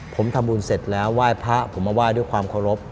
ผมทำบุญเสร็จแล้วไหว้พระผมมาไหว้ด้วยความเคารพ